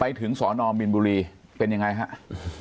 ถึงสอนอมบินบุรีเป็นยังไงครับ